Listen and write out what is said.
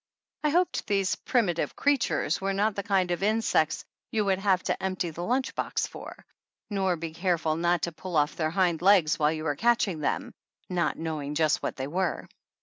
I hoped these "primitive creatures" were not the kind of insects you would have to empty the lunch box for, nor be careful not to pull off their hind legs while you were catching them, not knowing just what they were.